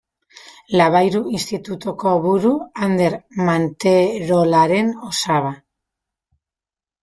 Labayru Institutuko buru Ander Manterolaren osaba.